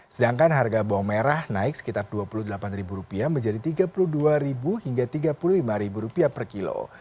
sedangkan harga bawang merah naik sekitar rp dua puluh delapan menjadi rp tiga puluh dua hingga rp tiga puluh lima per kilo